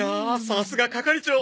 さすが係長！